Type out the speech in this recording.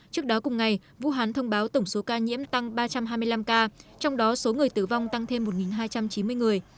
trước đó cùng ngày vũ hán thông báo tổng số ca nhiễm tăng ba trăm hai mươi năm ca trong đó số người tử vong tăng thêm một hai trăm chín mươi người